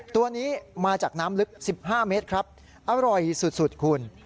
ตัวนี้มาจากน้ำลึก๑๕เมตรครับอร่อยสุดคุณ